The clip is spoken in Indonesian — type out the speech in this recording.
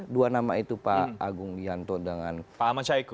dua nama itu pak agung dianto dengan pak ahmad syahiku